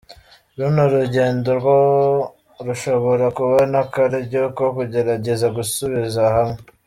Runo rugendo ngo rushobora kuba n'akaryo ko kugerageza gusubiza hamwe.